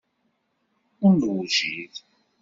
Ur newjid.